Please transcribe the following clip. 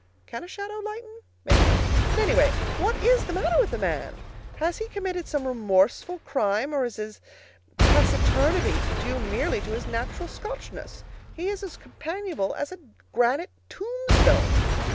Can a shadow lighten? Maybe not; but, anyway, what IS the matter with the man? Has he committed some remorseful crime, or is his taciturnity due merely to his natural Scotchness? He's as companionable as a granite tombstone!